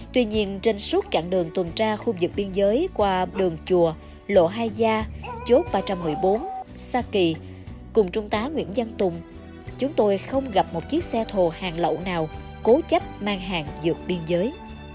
tuy nhiên trên suốt chặng đường tuần tra khu vực biên giới qua đường chùa lộ hai gia chốt ba trăm một mươi bốn sa kỳ cùng trung tá nguyễn văn tùng chúng tôi không gặp một chiếc xe thồ hàng lậu nào cố chấp mang hàng dược biên giới